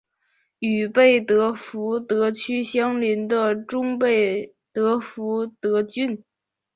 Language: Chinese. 与贝德福德区相邻的中贝德福德郡。